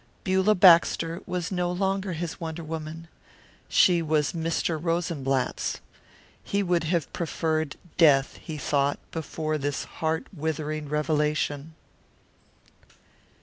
Beulah Baxter was no longer his wonder woman. She was Mr. Rosenblatt's. He would have preferred death, he thought, before this heart withering revelation.